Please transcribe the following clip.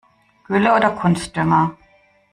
Gülle oder Kunstdünger?